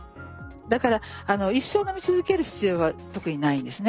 だからあの一生飲み続ける必要は特にないんですね。